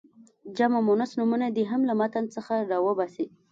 جمع مؤنث نومونه دې هم له متن څخه را وباسي.